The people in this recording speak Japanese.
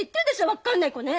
分かんない子ね！